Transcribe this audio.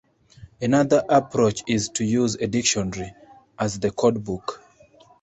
Another approach is to use a dictionary as the codebook.